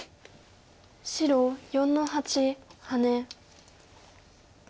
白４の八ハネ。